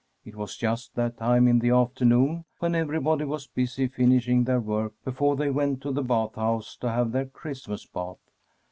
It was just that time in the afternoon when everybody was busy finishing their work before they went to the bath house to have their Christmas bath.